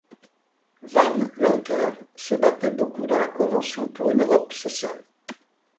Van Lancker se battait beaucoup dans la Convention pour une Europe sociale.